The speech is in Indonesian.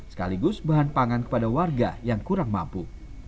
sekaligus bahan pangan kepada warga yang kurang mampu